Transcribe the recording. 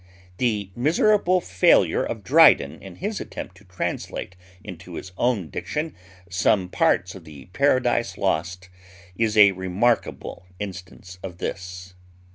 The miserable failure of Dryden in his attempt to translate into his own diction some parts of the 'Paradise Lost' is a remarkable instance of this."